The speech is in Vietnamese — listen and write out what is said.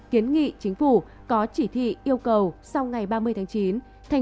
kiến nghị chính phủ có chỉ thị yêu cầu sau ngày ba mươi tháng chín thành